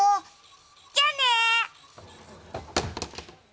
じゃあね！